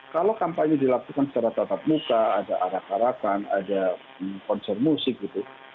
kalau kampanye dilakukan secara tatap muka ada arak arakan ada konser musik gitu